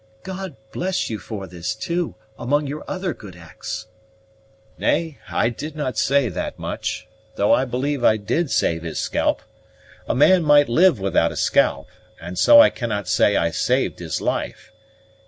"God bless you for this, too, among your other good acts!" "Nay, I did not say that much, though I believe I did save his scalp. A man might live without a scalp, and so I cannot say I saved his life.